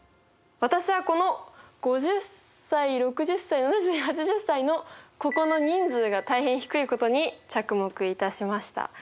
私はこの５０歳６０歳７０８０歳のここの人数が大変低いことに着目いたしました。